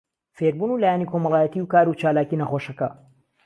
فێربوون و لایەنی کۆمەڵایەتی و کاروچالاکی نەخۆشەکە